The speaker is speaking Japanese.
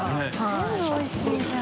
全部おいしいじゃん。